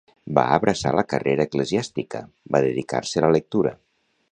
Va abraçar la carrera eclesiàstica, va dedicar-se a la lectura.